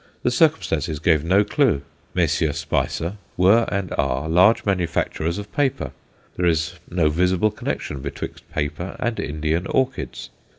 The circumstances gave no clue. Messrs. Spicer were and are large manufacturers of paper; there is no visible connection betwixt paper and Indian orchids.